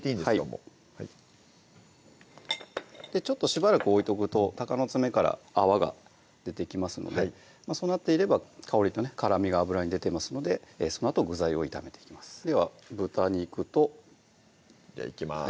もうはいちょっとしばらく置いとくとたかのつめから泡が出てきますのでそうなっていれば香りとね辛みが油に出てますのでそのあと具材を炒めていきますでは豚肉とじゃあいきます